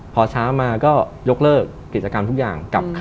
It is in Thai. พอเช้ามาก็ยกเลิกกิจกรรมทุกอย่าง